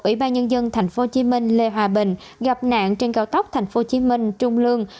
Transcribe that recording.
ủy ban nhân dân tp hcm lê hòa bình gặp nạn trên cao tốc tp hcm trung lương